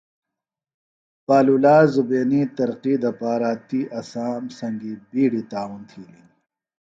پالولا زبینی ترقی دپارہ تی اسام سنگیۡ بیڈیۡ تعاون تھیلیۡ ہِنیۡ